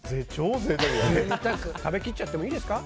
食べきっちゃってもいいですか。